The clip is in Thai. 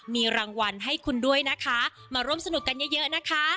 มีรางวัลให้คุณด้วยนะคะมาร่วมสนุกกันเยอะเยอะนะคะ